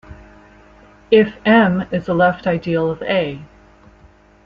If "M" is a left ideal of "A".